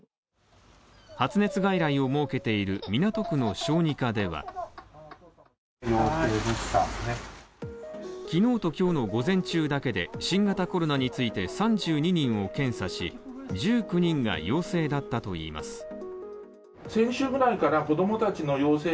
発熱外来を設けている港区の小児科では昨日と今日の午前中だけで、新型コロナについて３２人を検査し、１９人が陽性だったといいます。